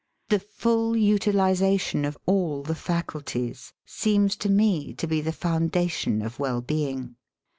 The full util isation of all the faculties seems to me to be the foundation of well being.